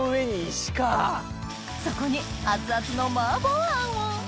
そこに熱々の麻婆餡を！